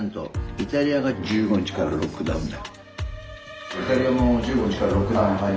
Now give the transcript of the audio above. イタリアが１５日からロックダウンだ。